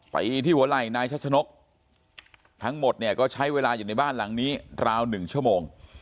อีที่หัวไหล่นายชัชนกทั้งหมดเนี่ยก็ใช้เวลาอยู่ในบ้านหลังนี้ราวหนึ่งชั่วโมง